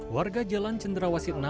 warga jalan cenderawasit enam